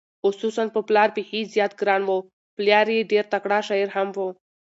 خصوصا په پلار بېخي زیات ګران و، پلار یې ډېر تکړه شاعر هم و،